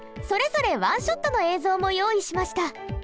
それぞれ１ショットの映像も用意しました。